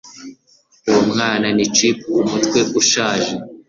Uwo mwana ni chip kumutwe ushaje